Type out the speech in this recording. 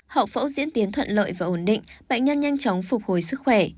hậu phẫu diễn tiến thuận lợi và ổn định bệnh nhân nhanh chóng phục hồi sức khỏe